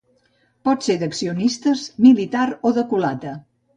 Pot ser d'accionistes, militar o de culata.